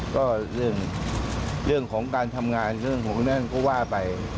ก็เรื่องของการทำงานเรื่องของนั่นก็ว่าไป